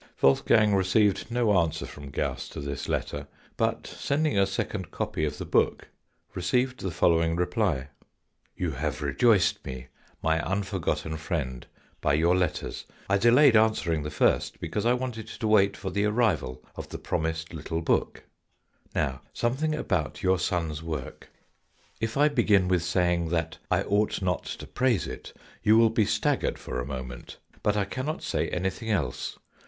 Wolfgang received no answer from Gauss to this letter, but sending a second copy of the book received the following reply : "You have rejoiced me, my unforgotten friend, by your letters. I delayed answering the first because I wanted to wait for the arrival of the promised little book, "Now something about your son's wor^, THE SECOND CHAPTER IN THE HISTORY Of FOUR SPACE 45 " If I begin with saying that ' I ought not to praise it,' you will be staggered for a moment. But I cannot say anything else.